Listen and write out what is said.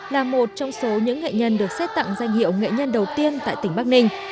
là một trong số những nghệ nhân được xét tặng danh hiệu nghệ nhân đầu tiên tại tỉnh bắc ninh